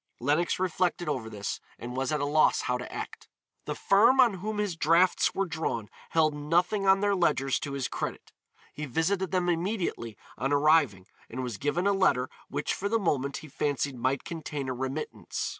Lenox reflected over this and was at a loss how to act. The firm on whom his drafts were drawn held nothing on their ledgers to his credit. He visited them immediately on arriving and was given a letter which for the moment he fancied might contain a remittance.